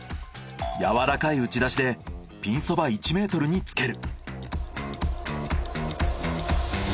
柔らかい打ち出しでピンそば１ｍにつける。